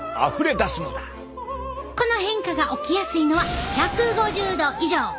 この変化が起きやすいのは１５０度以上！